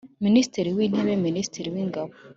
Minisitiri w Intebe Minisitiri w Ingabo